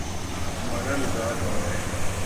ہمارامزاج اور ہے۔